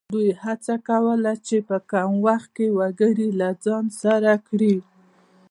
دوی هڅه کوله چې په کم وخت کې وګړي له ځان سره کړي.